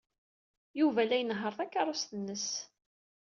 Yuba la inehheṛ takeṛṛust-nnes.